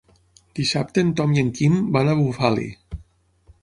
Dissabte en Tom i en Quim van a Bufali.